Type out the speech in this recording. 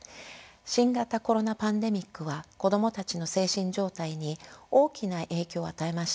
新型コロナパンデミックは子供たちの精神状態に大きな影響を与えました。